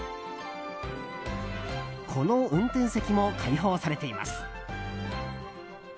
この運転席も開放されています。